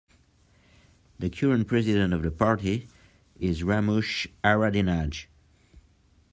The current president of the party is Ramush Haradinaj.